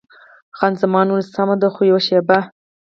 خان زمان وویل: سمه ده، خو یوه شېبه.